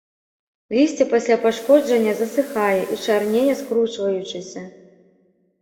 Лісце пасля пашкоджання засыхае і чарнее скручваючыся.